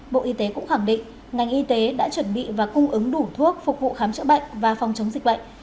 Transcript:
bộ y tế cũng khẳng định ngành y tế đã chuẩn bị và cung ứng đủ thuốc phục vụ khám chữa bệnh và phòng chống dịch bệnh